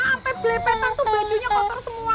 sampai belepetan tuh bajunya kotor semua ma